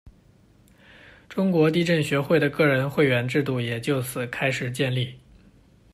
中国地震学会的个人会员制度也就此开始建立。